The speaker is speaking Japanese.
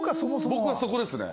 僕はそこですね。